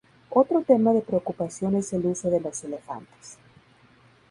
Otro tema de preocupación es el uso de los elefantes.